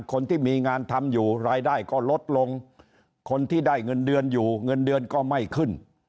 คนที่มีงานทำอยู่รายได้ก็ลดลงคนที่ได้เงินเดือนอยู่เงินเดือนก็ไม่ขึ้น